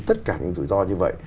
tất cả những rủi ro như vậy